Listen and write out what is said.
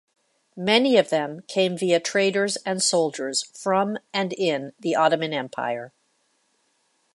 Many of them came via traders and soldiers from and in the Ottoman Empire.